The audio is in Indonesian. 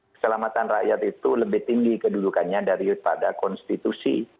keselamatan rakyat itu lebih tinggi kedudukannya daripada konstitusi